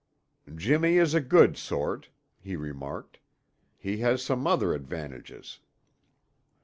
"Jimmy is a good sort," he remarked. "He has some other advantages."